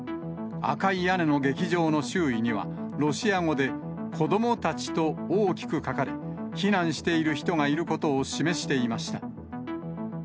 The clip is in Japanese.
赤い屋根の劇場の周囲には、ロシア語で子どもたちと大きく書かれ、避難している人がいることを示していました。